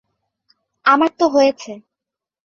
আমার তো হয়েছে।